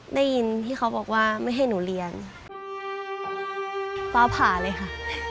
ได้ยินที่เขาบอกว่าไม่ให้หนูเรียนฟ้าผ่าเลยค่ะ